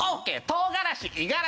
唐辛子五十嵐」